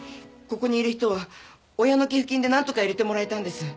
ここにいる人は親の寄付金で何とか入れてもらえたんです。